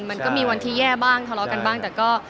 มันก็มีวันที่แย่บ้างทะเลาะกันบ้างแต่ก็